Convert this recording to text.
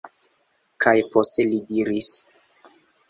Kaj poste li diris: